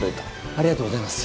ありがとうございます。